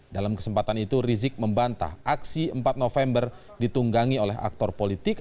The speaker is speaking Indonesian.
dalam kesempatan itu rizik membantah aksi empat november ditunggangi oleh aktor politik